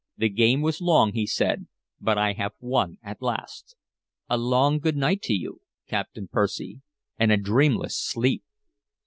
"The game was long," he said, "but I have won at last. A long good night to you, Captain Percy, and a dreamless sleep!"